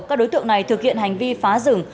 các đối tượng này thực hiện hành vi phá rừng